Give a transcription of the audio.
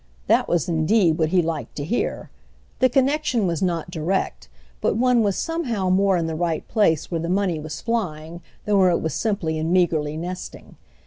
That was indeed what he liked to hear: the connexion was not direct, but one was somehow more in the right place where the money was flying than where it was simply and meagrely nesting.